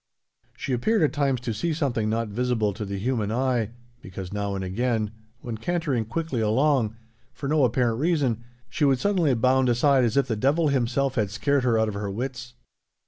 She appeared at times to see something not visible to the human eye, because, now and again, when cantering quickly along, for no apparent reason she would suddenly bound aside as if the Devil himself had scared her out of her wits.